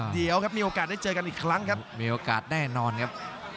เดี๋ยวครับมีโอกาสได้เจอกันอีกครั้งครับมีโอกาสแน่นอนครับ